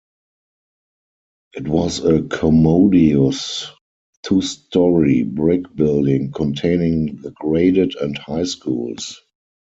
It was a commodious two-story brick building containing the graded and high schools.